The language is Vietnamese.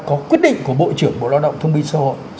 có quyết định của bộ trưởng bộ lao động thông minh xã hội